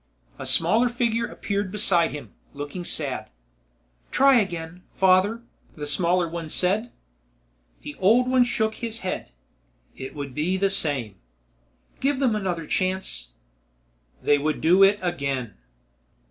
A smaller figure appeared beside him, looking sad. "Try again, father," the smaller one said. The old one shook his head. "It would be the same." "Give them another chance." "They would do it again."